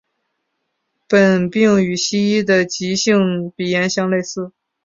本病与西医的急性鼻炎相类似。